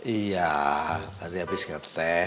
iya tadi habis ngeteh